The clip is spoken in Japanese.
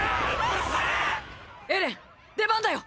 エレン出番だよ！！